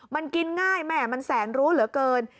มันกินง่ายแม่มันแสนรู้เหลือเกิน